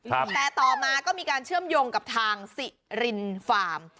แต่ต่อมาก็มีการเชื่อมโยงกับทางสิรินฟาร์ม